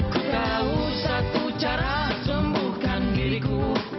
kukau satu cara sembuhkan diriku